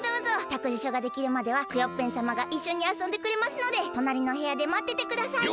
たくじしょができるまではクヨッペンさまがいっしょにあそんでくれますのでとなりのへやでまっててください。